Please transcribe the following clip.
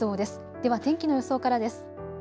では天気の予想からです。